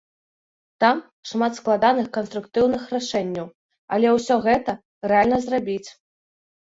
Там шмат складаных канструкцыйных рашэнняў, але ўсё гэта рэальна зрабіць.